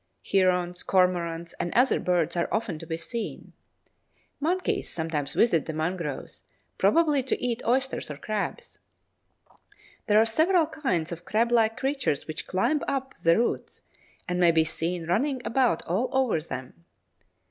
Herons, cormorants, and other birds are often to be seen. Monkeys sometimes visit the mangroves, probably to eat oysters or crabs. There are several kinds of crablike creatures which climb up the roots and may be seen running about all over them.